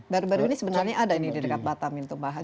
baru baru ini sebenarnya ada di dekat batam ini tumpahan